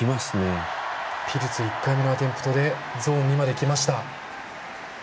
ピルツ１回目のアテンプトでゾーン２まできました。